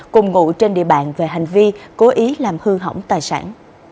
cùng ngụ trên địa bàn về hành vi cố ý làm hư hỏng tài sản